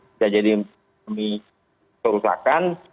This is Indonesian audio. bisa jadi tsunami terusakan